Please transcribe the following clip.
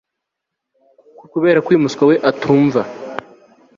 Kuberako uyu muswa we atumva